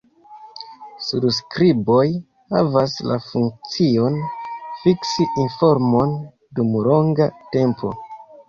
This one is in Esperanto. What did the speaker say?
Surskriboj havas la funkcion, fiksi informon dum longa tempo.